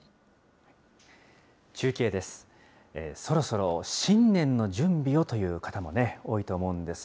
中継です。